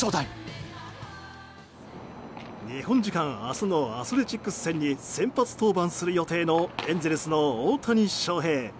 日本時間明日のアスレチックス戦に先発登板する予定のエンゼルスの大谷翔平。